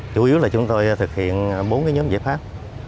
chủ yếu là chúng tôi thực hiện bốn nhóm giải pháp